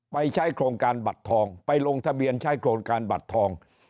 ใช้โครงการบัตรทองไปลงทะเบียนใช้โครงการบัตรทอง